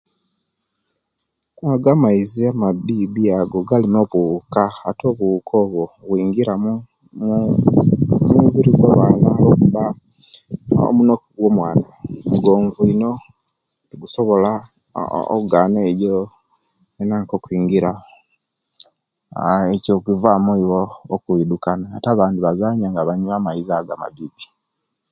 Ago amaizi amabibi ago galimu obuwokka ate obuwukka oba bungiramu omubiri gwamwana lwakubanga omunoki gwamwana mugonvu ino tegusobola ogaana enaka egyo okuyingira aaah ekyo kivaamu ibo okwiddukana ate abandi bazanya nga banywa amaizi ago amabibi